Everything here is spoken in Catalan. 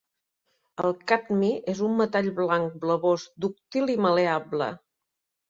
El cadmi és un metall blanc blavós, dúctil i mal·leable.